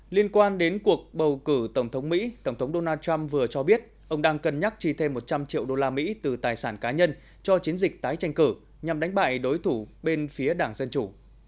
liên quan đến cuộc bầu cử tổng thống mỹ tổng thống donald trump vừa cho biết ông đang cân nhắc chi thêm một trăm linh triệu đô la mỹ từ tài sản cá nhân cho chiến dịch tái tranh cử nhằm đánh bại đối thủ bên phía đảng dân chủ